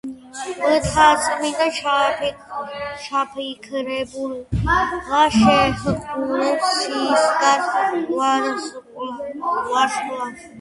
მთაწმინდა ჩაფიქრებულა შეჰყურებს ცისკრის ვარსკვლავსა.